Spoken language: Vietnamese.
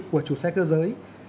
của chủ xe cơ giới